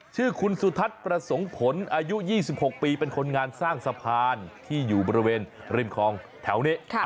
ชื่อคุณสุทัศน์ประสงค์ผลอายุ๒๖ปีเป็นคนงานสร้างสะพานที่อยู่บริเวณริมคลองแถวนี้